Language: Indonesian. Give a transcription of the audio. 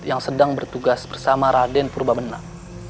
yang sedang bertugas bersama raden purba menak